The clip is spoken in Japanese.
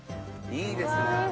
いいですね。